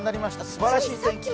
すばらしい天気。